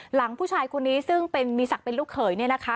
หลังผู้ชายคนนี้ซึ่งเป็นมีศักดิ์เป็นลูกเขยเนี่ยนะคะ